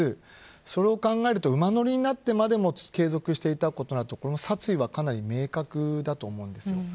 それを考えると馬乗りになってまで継続していたことで殺意はかなり明確だと思います。